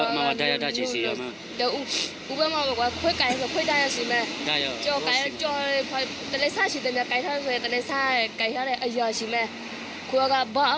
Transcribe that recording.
มันไม่ใช่แหละมันไม่ใช่แหละ